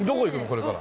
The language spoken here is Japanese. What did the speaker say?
これから。